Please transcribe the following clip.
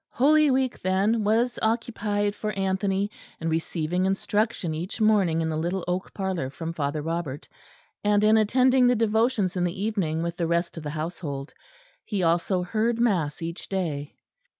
Holy Week, then, was occupied for Anthony in receiving instruction each morning in the little oak parlour from Father Robert; and in attending the devotions in the evening with the rest of the household. He also heard mass each day.